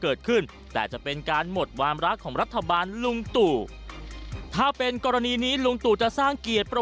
เกิดขึ้นแต่จะเป็นการหมดความรักของรัฐบาลลุงตู่ถ้าเป็นกรณีนี้ลุงตู่จะสร้างเกียรติประ